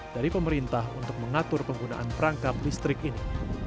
dari pemerintah untuk mengatur penggunaan perangkap listrik ini